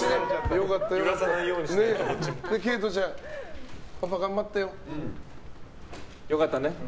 良かったね。